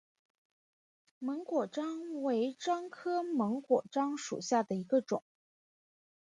檬果樟为樟科檬果樟属下的一个种。